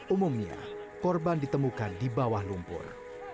umumnya korban ditemukan di bawah lumpur